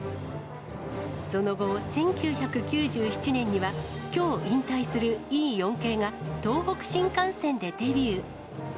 その後、１９９７年には、きょう引退するＥ４系が東北新幹線でデビュー。